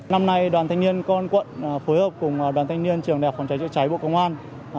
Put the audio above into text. năm nay đoàn thanh niên công an quận phối hợp cùng đoàn thanh niên trường đại học phòng cháy chữa cháy bộ công an